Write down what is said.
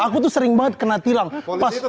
aku tuh sering banget kena tilang polisi itu